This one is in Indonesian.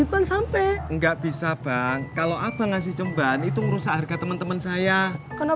abang sampai nggak bisa bang kalau abang ngasih cemban itu merusak harga temen temen saya karena